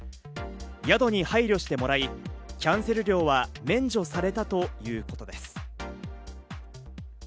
宿に配慮してもらい、キャンセル料は免除されたということです。